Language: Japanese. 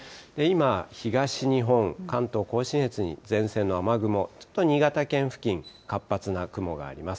今、東日本、関東甲信越に前線の雨雲、ちょっと新潟県付近、活発な雲があります。